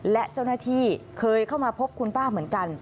และเจ้าหน้าที่เคยเข้ามาพบคุณป้าเหมือนกัน